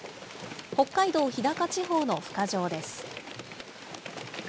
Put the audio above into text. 北海道日高地方のふ化場です。